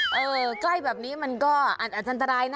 ช่วงใกล้แบบนี้มันก็อันอันทรัพย์นะ